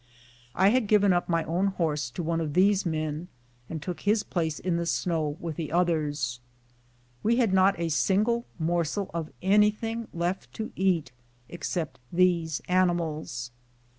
I had given up my own horse to one of these men, and took his place in the snow with the others. We had not a single morsel of any thing left to eat except these animals.